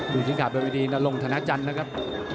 ดูทิศขาดเป็นวิธีนรงธนาจันทร์นะครับ